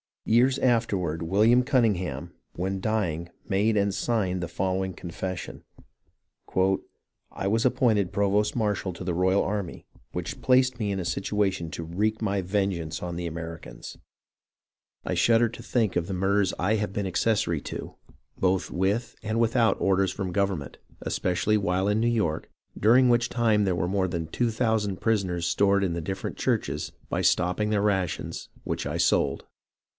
" Years afterward William Cunningham, when dying, made and signed the following confession :—" I was appointed provost marshal to the Royal army, which placed me in a situation to wreak my vengeance on the Americans. I shudder to think of the murders I have TRENTON AND PRINCETON 153 been accessory to, botJi ivitJi and ivitJiout orders from gov ernment, especially while in New York, during which time there were more than 2000 prisoners stored in the differ ent churches, by stopping their rations, which I sold.